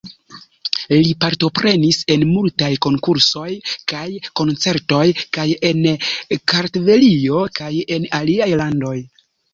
Li partoprenis en multaj konkursoj kaj koncertoj kaj en Kartvelio kaj en aliaj landoj.